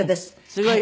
すごい。